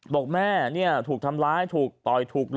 บอกแม่ถูกทำร้ายถูกต่อยถูก